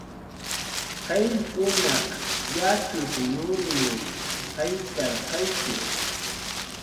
Qayllkunaq yatxut nurinw jayllarqayki